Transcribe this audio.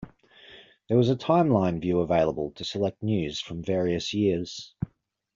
There was a timeline view available, to select news from various years.